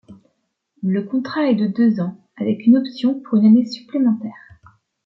Le contrat est de deux ans, avec une option pour une année supplémentaire.